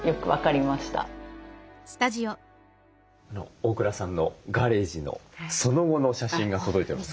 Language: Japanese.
大倉さんのガレージのその後の写真が届いてます。